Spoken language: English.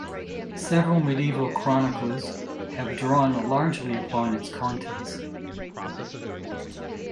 Several medieval chroniclers have drawn largely upon its contents.